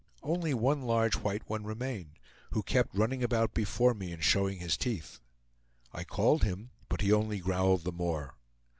Only one large white one remained, who kept running about before me and showing his teeth. I called him, but he only growled the more.